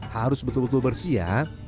harus betul betul bersih ya